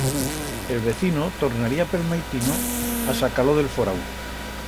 El vecino tornaría pel maitino a sacar-lo d'el forau.